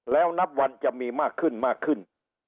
แล้วนับวันจะมีมากขึ้นมากขึ้น